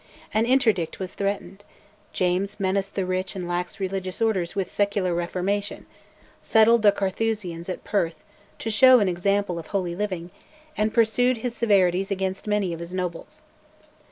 An interdict was threatened, James menaced the rich and lax religious orders with secular reformation; settled the Carthusians at Perth, to show an example of holy living; and pursued his severities against many of his nobles.